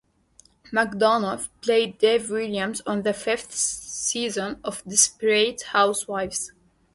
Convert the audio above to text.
McDonough played Dave Williams on the fifth season of "Desperate Housewives".